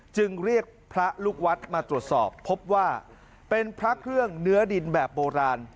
จึงเรียกพระลูกวัดมาตรวจสอบพบว่าเป็นพระเครื่องเนื้อดินแบบโบราณ